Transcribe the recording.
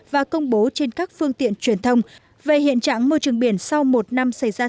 và công bố trên các phương tiện truyền thông về hiện trạng môi trường biển sau một năm xảy ra